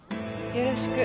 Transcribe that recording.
よろしく。